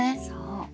そう。